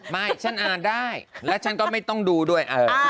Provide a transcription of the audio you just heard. ไม่ฉันอ่านได้แล้วฉันก็ไม่ต้องดูด้วย